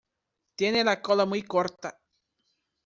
Tiene la cola muy corta.